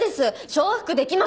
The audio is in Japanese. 承服できません。